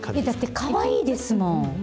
だって、かわいいですもん。